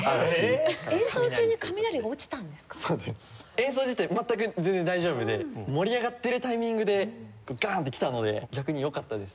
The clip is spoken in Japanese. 演奏自体全く全然大丈夫で盛り上がってるタイミングでガンッて来たので逆によかったです。